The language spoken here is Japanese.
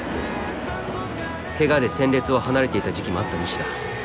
ケガで戦列を離れていた時期もあった西田。